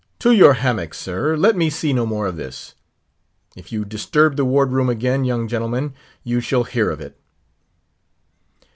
To your hammock, sir. Let me see no more of this. If you disturb the ward room again, young gentleman, you shall hear of it."